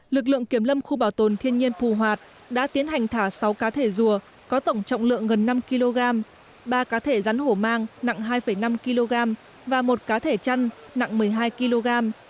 lực lượng kiểm lâm khu bảo tồn thiên nhiên phù hoạt đã tiến hành thả sáu cá thể rùa có tổng trọng lượng gần năm kg ba cá thể rắn hổ mang nặng hai năm kg và một cá thể chăn nặng một mươi hai kg